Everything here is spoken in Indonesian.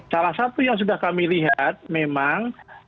salah satu yang sudah kami lihat memang